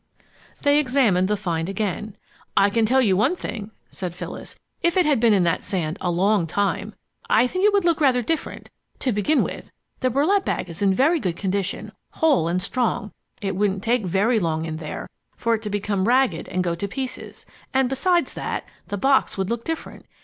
They examined the find again. "I can tell you one thing," said Phyllis, "if it had been in that sand a long time, I think it would look rather different. To begin with, the burlap bag is in very good condition, whole and strong. It wouldn't take very long in there for it to become ragged and go to pieces. And besides that, the box would look different.